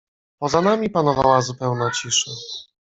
"Poza nami panowała zupełna cisza."